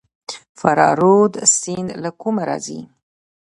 فراه رود سیند له کومه راځي؟